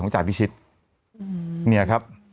ของจัดภิชิดเนี่ยครับ